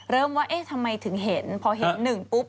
เริ่มว่าทำไมถึงเห็นพอเห็นหนึ่งปุ๊บ